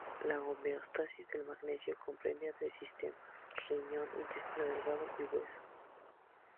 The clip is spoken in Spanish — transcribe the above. La homeostasis del magnesio comprende tres sistemas: riñón, intestino delgado y hueso.